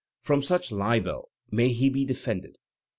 Prom such libel may he be de fended!